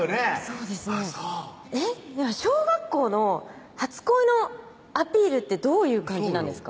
そうですね小学校の初恋のアピールってどういう感じなんですか？